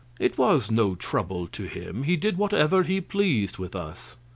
It was no trouble to him; he did whatever he pleased with us.